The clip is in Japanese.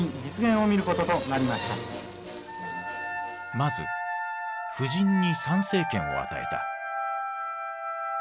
まず婦人に参政権を与えた。